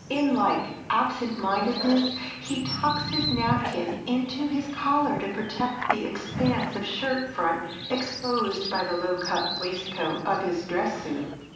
In like absent mindedness, he tucks his napkin into his collar to protect the expanse of shirt front exposed by the low cut waistcoat of his dress suit.